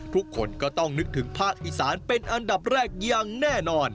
ทุกคนก็ต้องนึกถึงภาคอีสานเป็นอันดับแรกอย่างแน่นอน